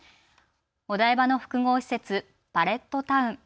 お台場の複合施設、パレットタウン。